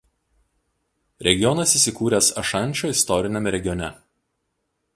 Regionas įsikūręs Ašančio istoriniame regione.